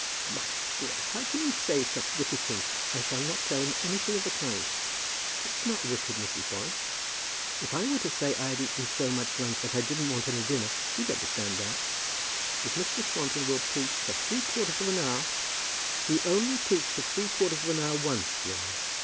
"My dear, how can you say such wicked things! I shall not tell him anything of the kind." "That's not wicked, Mrs. Boyce. If I were to say I had eaten so much lunch that I didn't want any dinner, you'd understand that. If Mr. Swanton will preach for three quarters of an hour " "He only preached for three quarters of an hour once, Lily."